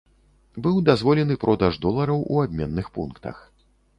Быў дазволены продаж долараў у абменных пунктах.